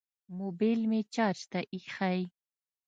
موبیل مې چارج ته ایښی